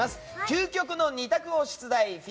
究極の２択を出題！